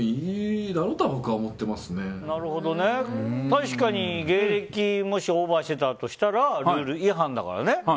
確かに、芸歴がもしオーバーしてたとしたらルール違反だからね。